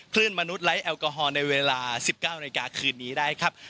คลื่นมนุษย์ไร้แอลกอฮอลในเวลา๑๙นาฬิกาคืนนี้ได้ครับ